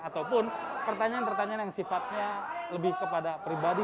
ataupun pertanyaan pertanyaan yang sifatnya lebih kepada pribadi